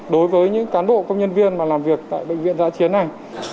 đối với những cán bộ công nhân viên mà làm việc tại bệnh viện giã chiến này